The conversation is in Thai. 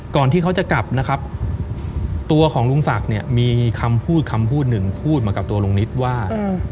ที่เขาจะกลับนะครับตัวของลุงศักดิ์เนี่ยมีคำพูดคำพูดหนึ่งพูดมากับตัวลุงนิดว่า